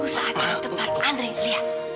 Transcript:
justru saatnya tempat andri lihat